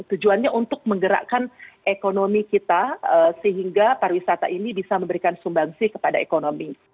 tujuannya untuk menggerakkan ekonomi kita sehingga pariwisata ini bisa memberikan sumbangsi kepada ekonomi